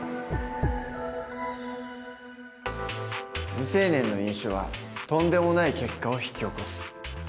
未成年の飲酒はとんでもない結果を引き起こす。